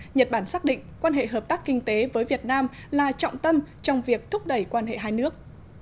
nhật bản xác định quan hệ hợp tác kinh tế với việt nam là trọng tâm trong việc thúc đẩy quan hệ hai nước